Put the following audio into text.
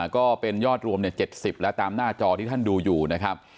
ก็เป็นยอดรวม๗๐แล้วตามหน้าจอที่ท่านดูอยู่นะครับ